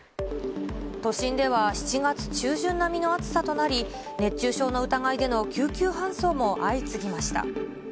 都心では７月中旬並みの暑さとなり、熱中症の疑いでの救急搬送も相次ぎました。